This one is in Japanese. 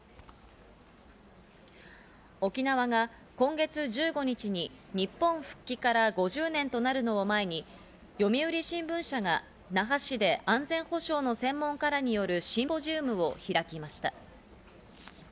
沖縄が今月１５日に日本復帰から５０年となるのを前に読売新聞社が那覇市で安全保障の専門家らによるシンポジウムを開きました。